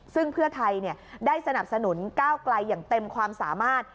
ซึ่งเพื่อไทยได้สนับสนุนก้าวไกลอย่างเต็มความสามารถ